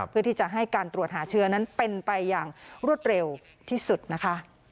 เพื่อที่จะให้การตรวจหาเชื้อนั้นเป็นไปอย่างรวดเร็วที่สุดนะคะ